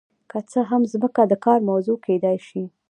که څه هم ځمکه د کار موضوع کیدای شي.